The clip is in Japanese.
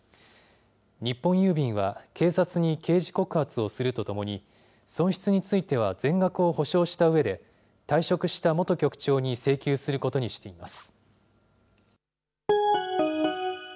日本郵便は警察に刑事告発をするとともに、損失については全額を補償したうえで、退職した元局長に請求することにしています。